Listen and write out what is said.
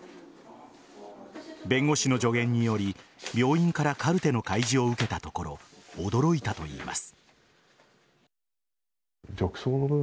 弁護士の助言により病院からカルテの開示を受けたところ驚いたといいます。